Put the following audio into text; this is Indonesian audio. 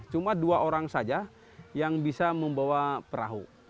cuma dua orang saja yang bisa membawa perahu